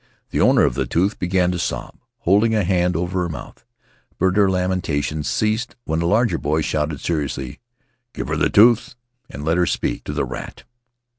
The owner of the tooth began to sob, holding a hand over her mouth, but her lamentations ceased when a larger boy shouted, seriously, "Give her the tooth and let her speak to the rat!"